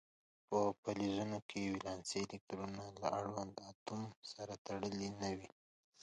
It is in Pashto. په فلزونو کې ولانسي الکترونونه له اړوند اتوم سره تړلي نه وي.